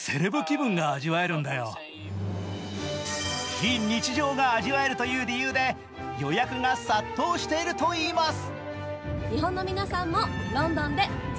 非日常が味わえるという理由で予約が殺到しているといいます。